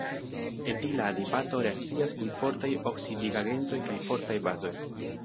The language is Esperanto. Etila adipato reakcias kun fortaj oksidigagentoj kaj fortaj bazoj.